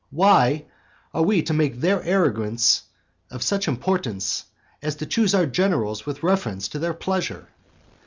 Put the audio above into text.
why are we to make their arrogance of such importance as to choose our generals with reference to their pleasure?